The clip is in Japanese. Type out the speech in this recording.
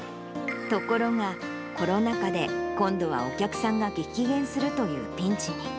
ところが、コロナ禍で今度はお客さんが激減するというピンチに。